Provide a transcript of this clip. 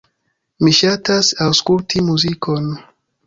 Mi ŝatas aŭskulti muzikon.